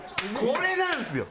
これなんですよ。